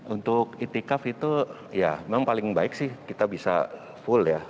untuk itikaf itu ya memang paling baik sih kita bisa full ya